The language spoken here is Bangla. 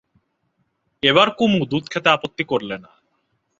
এবার কুমু দুধ খেতে আপত্তি করলে না।